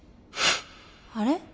あれ？